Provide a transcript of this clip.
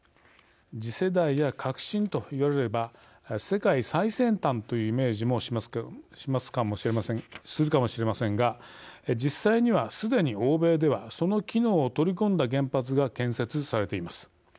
次世代や革新炉といわれれば世界最先端というイメージもするかもしれませんが実際には、すでに欧米ではその機能を取り込んだ原発が建設されています。